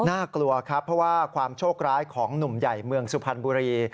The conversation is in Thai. น่ากลัวครับเพราะว่าความโชคร้ายของหนุ่มใหญ่เมืองสุพรรณบุรี